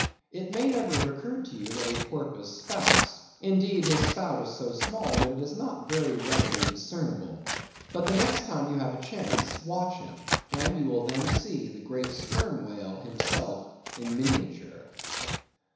It may never have occurred to you that a porpoise spouts. Indeed, his spout is so small that it is not very readily discernible. But the next time you have a chance, watch him; and you will then see the great Sperm whale himself in miniature.